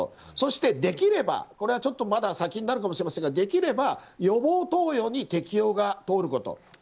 そして、できればこれはまだ先になるかもしれませんが予防投与の適用が通ること。